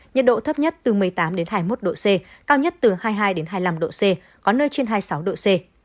nhiệt độ thấp nhất từ một mươi tám hai mươi một độ c cao nhất từ hai mươi hai hai mươi năm độ c có nơi trên hai mươi sáu độ c